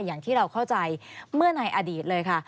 อย่างที่เราเข้าใจเมื่อในอดีตเลยค่ะ